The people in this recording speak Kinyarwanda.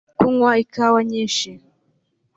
kunywa ikawa nyinshi